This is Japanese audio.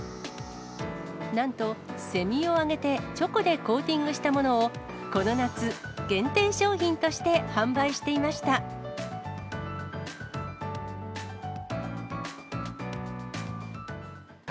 なんと、セミを揚げてチョコでコーティングしたものを、この夏、限定商品として販売していました。